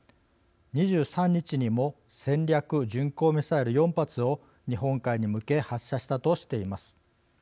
２３日にも戦略巡航ミサイル４発を日本海に向け発射したとしています。